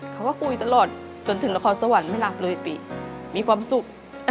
เขาก็คุยตลอดจนถึงนครสวรรค์ไม่หลับเลยปีมีความสุข